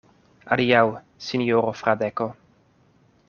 Adiaŭ, sinjoro Fradeko.